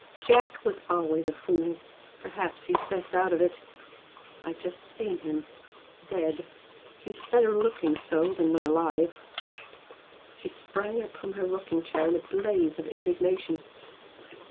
Jack was always a fool perhaps he's best out of it. I've just seen him dead. He's better looking so than when alive." She sprang up from her rocking chair in a blaze of indignation.